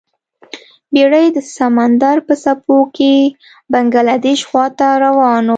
بیړۍ د سمندر په څپو کې بنګلادیش خواته روانه وه.